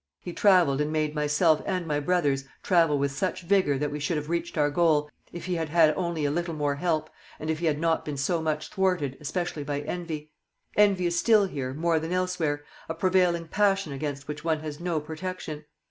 He travelled and made myself and my brothers travel with such vigour that we should have reached our goal, if he had had only a little more help, and if he had not been so much thwarted, especially by envy. Envy is still here, more than elsewhere, a prevailing passion against, which one has no protection.